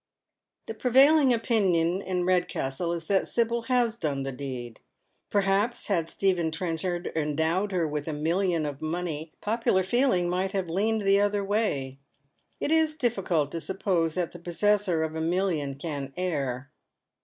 The prevailing opinion in Redcastle is that Sibyl has done the deed. Perhaps had Stephen Trenchard endowed her with a million of money popular feeling might have leaned the other way. It is diflicult to suppose that the possessor of a million can err.